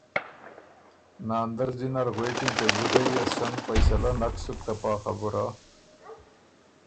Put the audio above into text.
ناندر زلی نر غوېکِن که ګُده يې سن فیصله نک سُک ته پا خبُره،